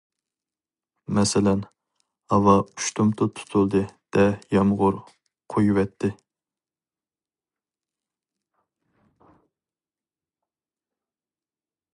مەسىلەن: ھاۋا ئۇشتۇمتۇت تۇتۇلدى-دە، يامغۇر قۇيۇۋەتتى.